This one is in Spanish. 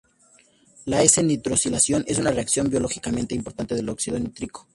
La S-nitrosilación es una reacción biológicamente importante del óxido nítrico.